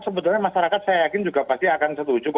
sebetulnya masyarakat saya yakin juga pasti akan setuju kok